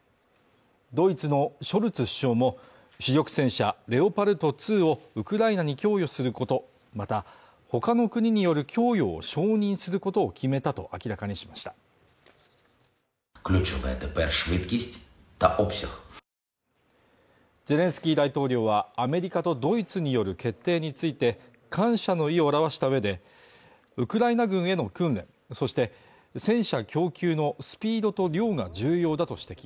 ドイツのショルツ首相も主力戦車レオパルト２をウクライナに供与することまたほかの国による供与を承認することを決めたと明らかにしましたゼレンスキー大統領はアメリカとドイツによる決定について感謝の意を表した上でウクライナ軍への訓練そして戦車供給のスピードと量が重要だと指摘